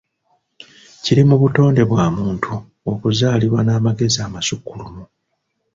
Kiri mu butonde bwa muntu okuzaalibwa n'amagezi amasukkulumu.